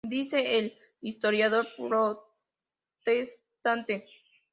Dice el historiador protestante.